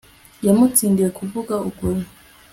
yamutsindiye kuvuga ukuri